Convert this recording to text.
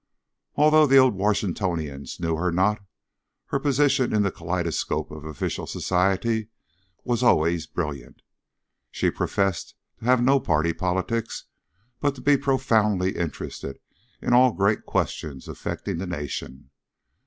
Although the Old Washingtonians knew her not, her position in the kaleidoscope of official society was always brilliant. She professed to have no party politics, but to be profoundly interested in all great questions affecting the nation.